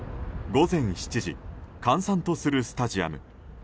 午前７時閑散とするスタジアム。